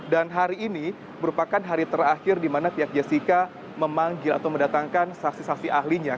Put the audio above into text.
dan hari ini merupakan hari terakhir di mana pihak jessica memanggil atau mendatangkan saksi saksi ahlinya